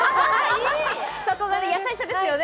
そこが優しさですよね。